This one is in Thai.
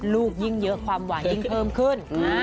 ลูกยิ่งเยอะความหวานยิ่งเพิ่มขึ้น